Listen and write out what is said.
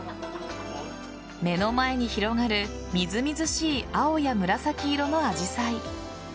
目の前に広がるみずみずしい青や紫色のアジサイ。